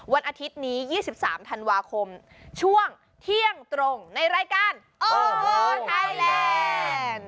วันอาทิตย์นี้๒๓ธันวาคมช่วงเที่ยงตรงในรายการโอ้โหไทยแลนด์